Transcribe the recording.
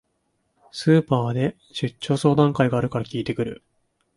スーパーで出張相談会があるから聞いてくる